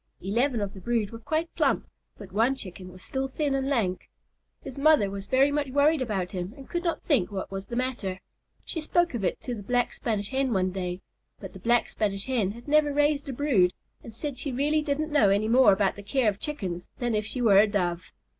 Eleven of the brood were quite plump, but one Chicken was still thin and lank. His mother was very much worried about him and could not think what was the matter. She spoke of it to the Black Spanish Hen one day, but the Black Spanish Hen had never raised a brood, and said she really didn't know any more about the care of Chickens than if she were a Dove.